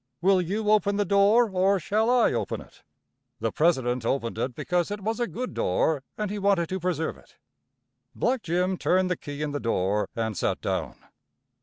Will you open the door or shall I open it." The president opened it because it was a good door and he wanted to preserve it. Black Jim turned the key in the door and sat down.